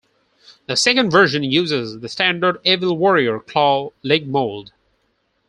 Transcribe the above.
The second version uses the standard Evil Warrior 'claw' leg mold.